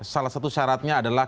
salah satu syaratnya adalah